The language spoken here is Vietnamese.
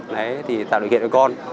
đấy thì tạo điều kiện cho con